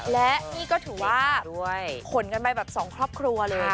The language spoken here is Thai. และนี่ก็ถือว่าขนกันไปแบบสองครอบครัวเลย